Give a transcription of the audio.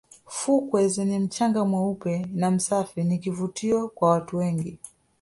fukwe zenye mchanga mweupe na masafi ni kivutio kwa watu wengi